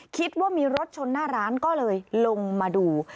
คิดว่ามีรถชนหน้าร้านก็เลยลงมาดู